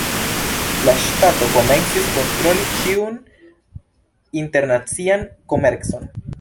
La ŝtato komencis kontroli ĉiun internacian komercon.